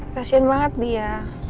kasian banget dia